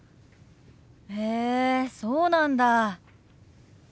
へえそうなんだ。